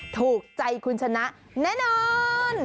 ถูกใจคุณชนะแน่นอน